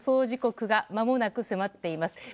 時刻がまもなく迫っています。